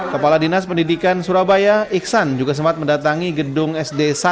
kepala dinas pendidikan surabaya iksan juga sempat mendatangi gedung sd satu